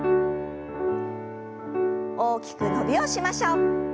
大きく伸びをしましょう。